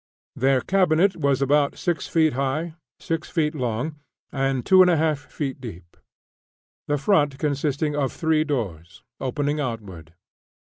Their cabinet is about six feet high, six feet long, and two and a half feet deep, the front consisting of three doors, opening outward.